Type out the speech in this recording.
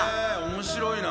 面白いな。